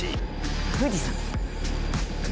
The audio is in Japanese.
富士山。